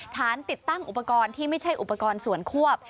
ติดตั้งอุปกรณ์ที่ไม่ใช่อุปกรณ์ส่วนควบ